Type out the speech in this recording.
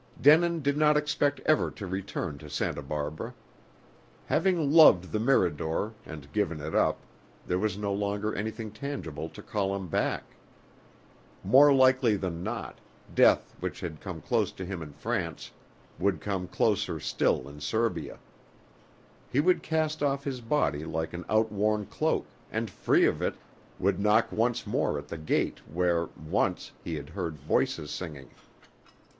Denin did not expect ever to return to Santa Barbara. Having loved the Mirador, and given it up, there was no longer anything tangible to call him back. More likely than not, death which had come close to him in France, would come closer still in Serbia. He would cast off his body like an outworn cloak, and free of it, would knock once more at the gate where, once, he had heard voices singing.